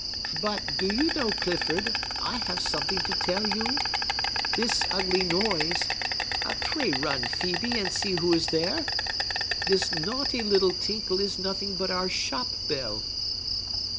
But, do you know, Clifford, I have something to tell you? This ugly noise,—pray run, Phœbe, and see who is there!—this naughty little tinkle is nothing but our shop bell!"